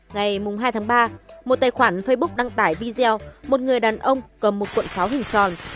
ngày hai tháng ba một tài khoản facebook đăng tải video một người đàn ông cầm một cuộn pháo hủy tròn